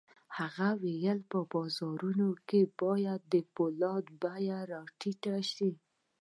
هغه وویل په بازارونو کې باید د پولادو بيې را ټیټې شي